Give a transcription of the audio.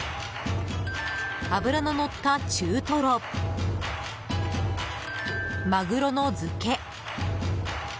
脂ののった中トロマグロの漬け。